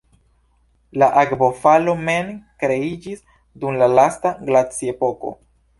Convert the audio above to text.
La akvofalo mem kreiĝis dum la lasta glaciepoko.